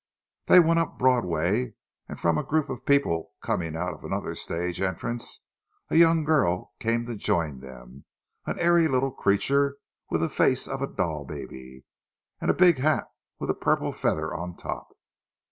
They went up Broadway, and from a group of people coming out of another stage entrance a young girl came to join them—an airy little creature with the face of a doll baby, and a big hat with a purple feather on top.